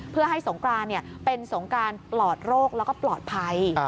เพื่อให้สงกรานเป็นสงกรานปลอดโรคแล้วก็ปลอดภัย